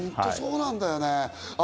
本当そうなんだよね。